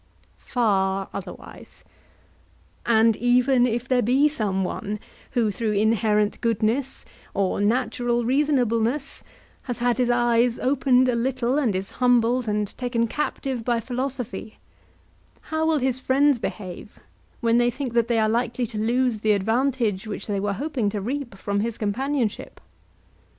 Far otherwise. And even if there be some one who through inherent goodness or natural reasonableness has had his eyes opened a little and is humbled and taken captive by philosophy, how will his friends behave when they think that they are likely to lose the advantage which they were hoping to reap from his companionship?